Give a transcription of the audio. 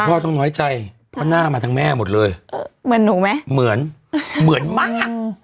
ต้องน้อยใจเพราะหน้ามาทั้งแม่หมดเลยเหมือนหนูไหมเหมือนเหมือนมาก